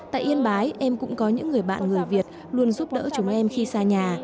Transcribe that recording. tại yên bái em cũng có những người bạn người việt luôn giúp đỡ chúng em khi xa nhà